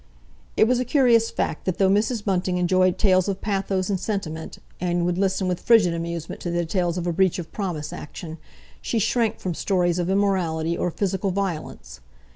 It was a curious fact that though Mrs. Bunting enjoyed tales of pathos and sentiment, and would listen with frigid amusement to the details of a breach of promise action, she shrank from stories of immorality or of physical violence.